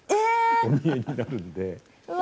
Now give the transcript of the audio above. お見えになるんで。